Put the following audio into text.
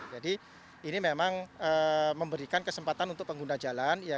jadi ini memang memberikan kesempatan untuk pengguna jalan